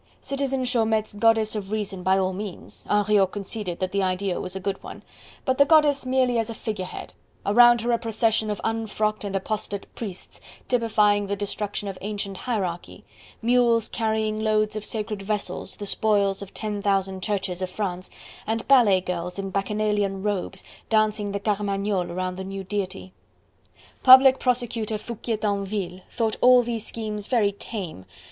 Citizen Chaumette's Goddess of Reason by all means Henriot conceded that the idea was a good one but the goddess merely as a figure head: around her a procession of unfrocked and apostate priests, typifying the destruction of ancient hierarchy, mules carrying loads of sacred vessels, the spoils of ten thousand churches of France, and ballet girls in bacchanalian robes, dancing the Carmagnole around the new deity. Public Prosecutor Foucquier Tinville thought all these schemes very tame.